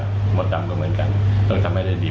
มดดำก็เหมือนกันต้องทำให้ได้ดี